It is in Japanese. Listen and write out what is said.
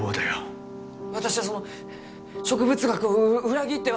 私はその植物学を裏切っては。